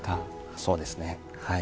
そうですね。